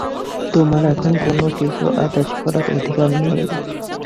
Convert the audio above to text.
তোমার এখন কোন কিছু আদেশ করার অধিকার নেই।